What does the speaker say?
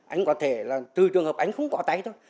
anh có thể từ trường hợp anh không có tay thôi